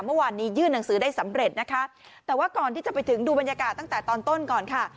เมื่อวานนี้ยื่นหนังสือได้สำเร็จนะคะแต่ว่าก่อนที่จะไปดูบรรยากาศตั้งแต่ตอนต้นก่อนค่ะ